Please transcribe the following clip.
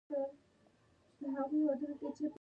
نو د دې د پاره چې د کفارو لاس ته ونه لوېږي.